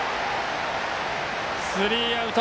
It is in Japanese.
スリーアウト。